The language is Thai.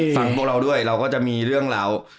พวกเราด้วยเราก็จะมีเรื่องราว